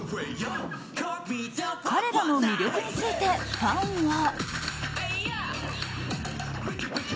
彼らの魅力についてファンは。